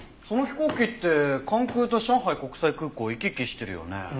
その飛行機って関空と上海国際空港を行き来してるよね。